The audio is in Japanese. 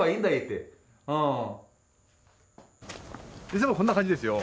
いつもこんな感じですよ。